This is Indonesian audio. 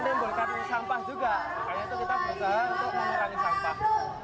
menimbulkan sampah juga makanya itu kita berusaha untuk mengurangi sampah